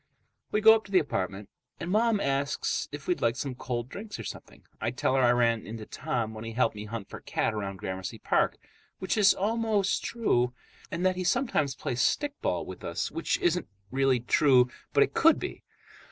We go up to the apartment, and Mom asks if we'd like some cold drinks or something. I tell her I ran into Tom when he helped me hunt for Cat around Gramercy Park, which is almost true, and that he sometimes plays stickball with us, which isn't really true but it could be.